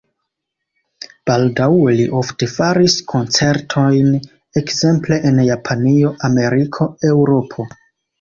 Baldaŭe li ofte faris koncertojn, ekzemple en Japanio, Ameriko, Eŭropo.